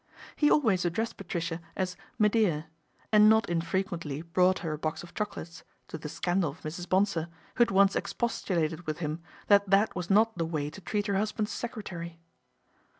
He always addressed Patricia as " me dear," and not infrequently brought her a box of choco lates, to the scandal of Mrs. Bonsor, who had once expostulated with him that that was not the way to treat her husband's secretary.